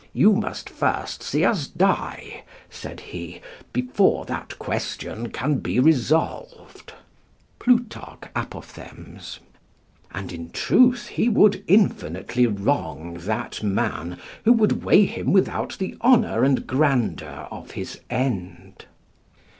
"You must first see us die," said he, "before that question can be resolved." [Plutarch, Apoth.] And, in truth, he would infinitely wrong that man who would weigh him without the honour and grandeur of his end.